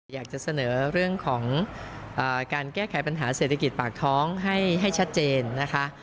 อยากจะเสนอเรื่องของการแก้ไขปัญหาเศรษฐกิจปากท้องให้ชัดเจนนะคะ